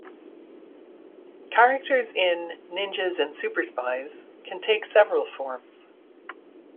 Characters in "Ninjas and Superspies" can take several forms.